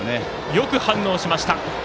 よく反応しました。